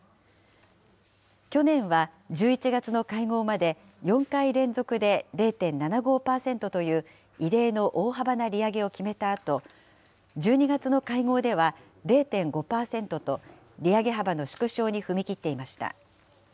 去年は１１月の会合まで、４回連続で０．７５％という異例の大幅な利上げを決めたあと、１２月の会合では０．５％と、利上げ幅の縮小に踏み切っていました。